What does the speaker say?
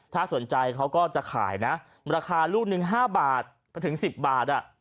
ถ้าสนใจเขาก็จะขายนะราคาลูกหนึ่ง๕บาทไปถึง๑๐บาท